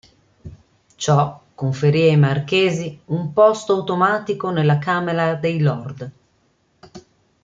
Ciò conferì ai marchesi un posto automatico nella Camera dei lord.